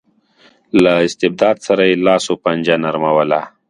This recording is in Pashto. له استبداد سره یې لاس و پنجه نرموله.